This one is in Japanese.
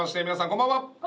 こんばんは。